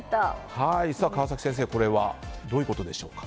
川崎先生、これはどういうことなんでしょうか。